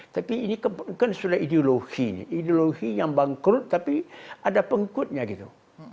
tapi ini kan sudah ideologi ideologi yang bangkrut tapi ada pengikutnya gitu